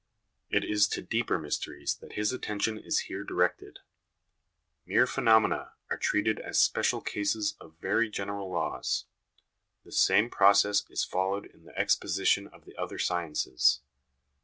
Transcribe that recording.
It is to deeper mysteries that his attention is here directed. Mere phenomena are treated as special cases of very general laws. The same process is followed in the exposition of the other sciences.